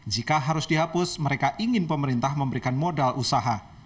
jika harus dihapus mereka ingin pemerintah memberikan modal usaha